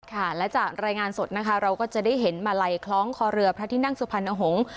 ค่ะและจากรายงานสดนะคะเราก็จะได้เห็นมาลัยคล้องคอเรือพระที่นั่งสุพรรณหงษ์